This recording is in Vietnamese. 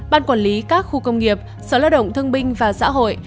ban quản lý các khu công nghiệp sở lao động thương binh và xã hội